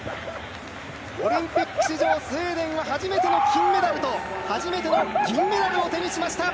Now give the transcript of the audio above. オリンピック史上スウェーデンが初めての金メダルと初めての銀メダルを手にしました。